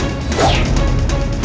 aku akan menangkanmu